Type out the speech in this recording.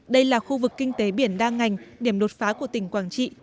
đây là khu vực kinh tế biển đa ngành điểm đột phá của tỉnh quảng trị